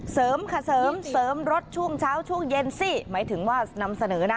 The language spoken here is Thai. เสริมค่ะเสริมเสริมรถช่วงเช้าช่วงเย็นสิหมายถึงว่านำเสนอนะ